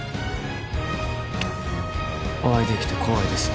お会いできて光栄です